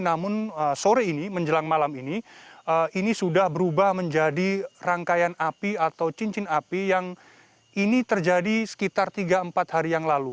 namun sore ini menjelang malam ini ini sudah berubah menjadi rangkaian api atau cincin api yang ini terjadi sekitar tiga empat hari yang lalu